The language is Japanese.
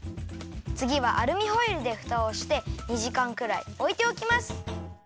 つぎはアルミホイルでふたをして２じかんくらいおいておきます！